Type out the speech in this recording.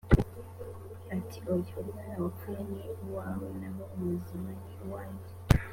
ati oya umwana wapfuye ni uwawe naho umuzima ni uwanjye